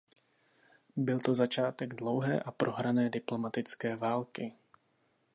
Byl to začátek dlouhé a prohrané diplomatické války.